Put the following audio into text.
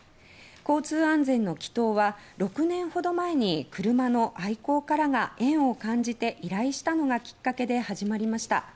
交通安全の祈祷は、６年ほど前に車の愛好家らが縁を感じて祈祷を依頼したのがきっかけで始まりました。